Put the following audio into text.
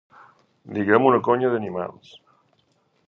Digue'm una conya d'animals.